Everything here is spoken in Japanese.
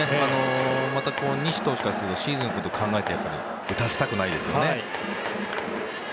西投手からするとシーズンで考えると打たせたくないですよね。